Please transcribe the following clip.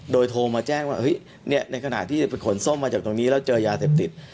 โดยโทรมาแจ้งว่าในขณะที่ไปขนส้มมาจากตรงนี้แล้วเจอยาเสพติด